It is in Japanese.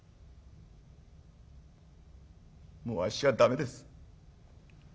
「もうあっしは駄目です」。